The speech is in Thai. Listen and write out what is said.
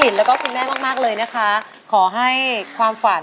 ใช้ค่ะ